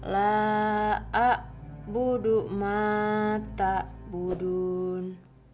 la'a budu mata budun